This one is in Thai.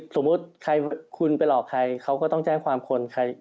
สมมุติคุณไปหลอกใครเขาก็ต้องแจ้งความคน